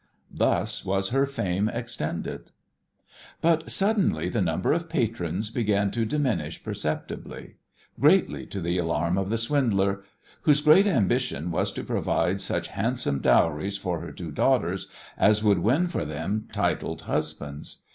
Thus was her fame extended. But suddenly the number of patrons began to diminish perceptibly, greatly to the alarm of the swindler, whose great ambition was to provide such handsome dowries for her two daughters as would win for them titled husbands.